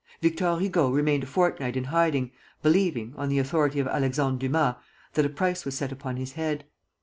Victor Hugo remained a fortnight in hiding, believing, on the authority of Alexandre Dumas, that a price was set upon his head.